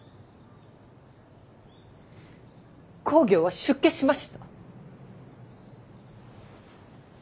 公暁は出家しました。